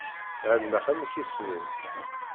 Ɛelmeɣ amek isem-im.